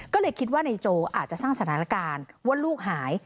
ก็เลยคิดว่านายโจอาจจะสร้างสถานการณ์ว่าลูกหาย